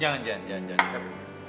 jangan jangan jangan